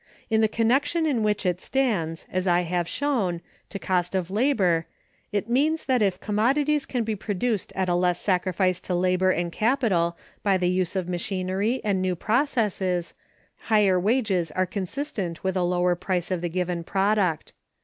In the connection in which it stands, as I have shown, to cost of labor, it means that if commodities can be produced at a less sacrifice to labor and capital by the use of machinery and new processes, higher wages are consistent with a lower price of the given product.